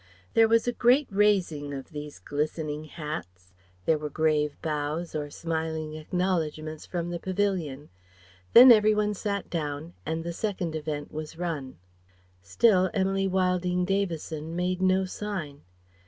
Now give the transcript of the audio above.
There was a great raising of these glistening hats, there were grave bows or smiling acknowledgments from the pavilion. Then every one sat down and the second event was run. Still Emily Wilding Davison made no sign.